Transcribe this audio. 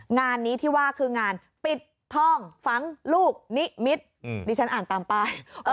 งานนี้ที่ว่าคืองานปิดทองฝังลูกนิมิตรดิฉันอ่านตามป้าย